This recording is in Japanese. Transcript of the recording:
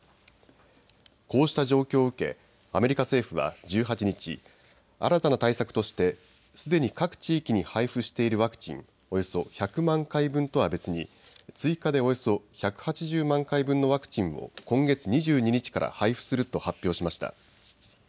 こうした状況を受けアメリカ政府は１８日、新たな対策としてすでに各地域に配布しているワクチンおよそ１００万回分とは別に追加でおよそ１８０万回分のワクチンを今月２２日から配布すると発表しました。